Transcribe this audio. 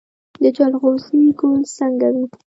د جلغوزي ګل څنګه وي؟